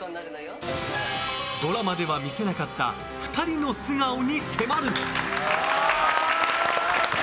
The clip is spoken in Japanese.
ドラマでは見せなかった２人の素顔に迫る。